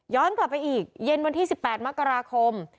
กลับไปอีกเย็นวันที่๑๘มกราคม